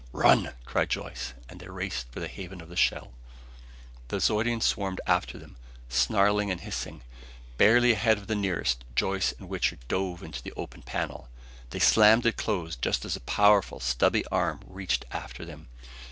"Run!" cried Joyce. And they raced for the haven of the shell. The Zeudians swarmed after them, snarling and hissing. Barely ahead of the nearest, Joyce and Wichter dove into the open panel. They slammed it closed just as a powerful, stubby arm reached after them.